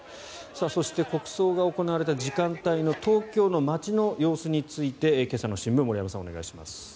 そして、国葬が行われた時間帯の東京の街の様子について今朝の新聞森山さん、お願いします。